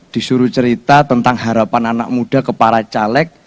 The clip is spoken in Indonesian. disuruh cerita tentang harapan anak muda kepala caleg